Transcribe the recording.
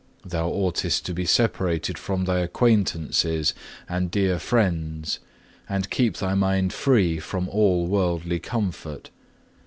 Thou oughtest to be separated from thy acquaintances and dear friends, and keep thy mind free from all worldly comfort.